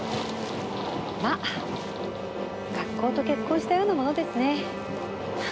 まあ学校と結婚したようなものですね。